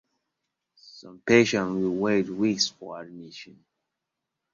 Some patients would wait weeks for admission.